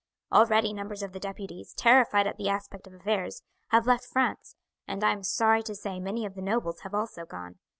Already numbers of the deputies, terrified at the aspect of affairs, have left France, and I am sorry to say many of the nobles have also gone.